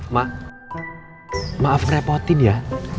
mak maaf ngerepotin ya